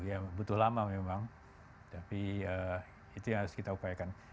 ya butuh lama memang tapi itu yang harus kita upayakan